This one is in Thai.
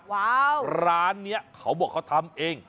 ว้าวร้านนี้เขาบอกเขาทำเอง